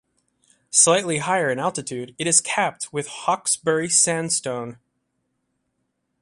Slightly higher in altitude, it is capped with Hawkesbury Sandstone.